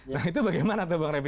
nah itu bagaimana tuh bang refli